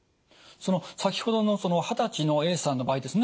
先ほどの二十歳のＡさんの場合ですね